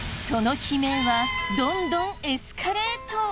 その悲鳴はどんどんエスカレート。